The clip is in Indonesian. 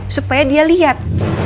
supaya dia lihat